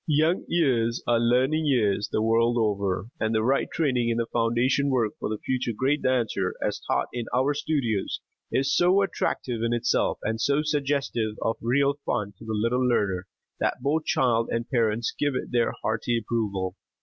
Young years are learning years the world over, and right training in foundation work for the future great dancer, as taught in our studios, is so attractive in itself and so suggestive of real "fun" to the little learner, that both child and parents give it their hearty approval.